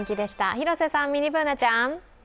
広瀬さん、ミニＢｏｏｎａちゃん。